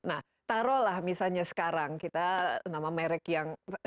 nah taruhlah misalnya sekarang kita nama merk yang cnn lah